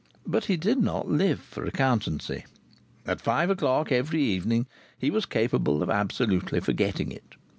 But he did not live for accountancy. At five o'clock every evening he was capable of absolutely forgetting it.